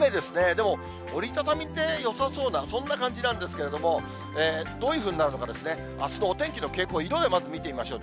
でも、折り畳みでよさそうな、そんな感じなんですけれども、どういうふうになるのか、あすのお天気の傾向、色でまず見てみましょう。